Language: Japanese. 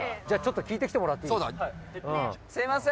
じゃちょっと聞いてきてもらっていい？